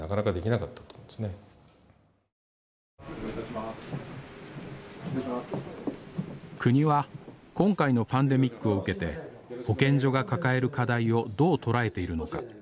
まああの国は今回のパンデミックを受けて保健所が抱える課題をどう捉えているのか。